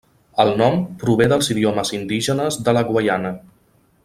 El nom prové dels idiomes indígenes de la Guaiana.